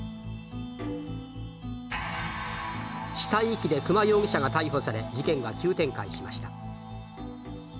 死体遺棄で久間容疑者が逮捕され事件は急展開しました。